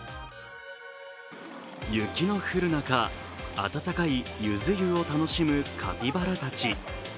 雪の降る中、温かいゆず湯を楽しむカピバラたち。